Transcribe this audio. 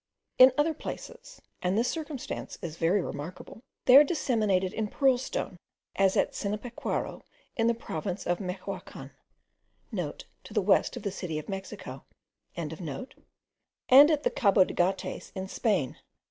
In other places (and this circumstance is very remarkable), they are disseminated in pearl stone, as at Cinapecuaro, in the province of Mechoacan,* (* To the west of the city of Mexico.) and at the Cabo de Gates, in Spain.